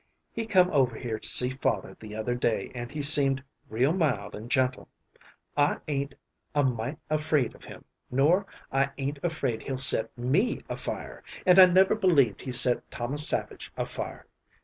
He come over here to see father the other day, and he seemed real mild and gentle. I ain't a mite afraid of him, nor I ain't afraid he'll set me afire, and I never believed he set Thomas Savage afire.